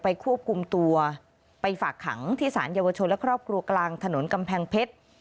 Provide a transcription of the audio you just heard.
ควบคุมตัวไปฝากขังที่สารเยาวชนและครอบครัวกลางถนนกำแพงเพชร